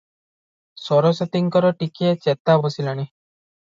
ସରସ୍ୱତୀଙ୍କର ଟିକିଏ ଚେତା ବସିଲାଣି ।